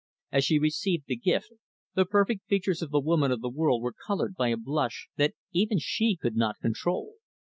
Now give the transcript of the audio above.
As she received the gift, the perfect features of the woman of the world were colored by a blush that even she could not control.